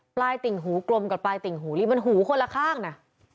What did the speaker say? ติ่งหูกลมกับปลายติ่งหูนี่มันหูคนละข้างนะ